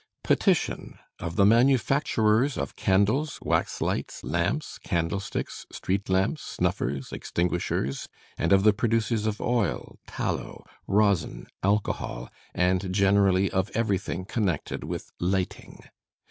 PETITION OF THE MANUFACTURERS OF CANDLES, WAX LIGHTS, LAMPS, CANDLE STICKS, STREET LAMPS, SNUFFERS, EXTINGUISHERS, AND OF THE PRODUCERS OF OIL, TALLOW, ROSIN, ALCOHOL, AND GENERALLY OF EVERYTHING CONNECTED WITH LIGHTING.